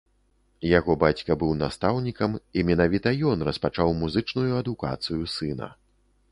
Яго бацька быў настаўнікам і менавіта ён распачаў музычную адукацыю сына.